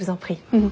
うん。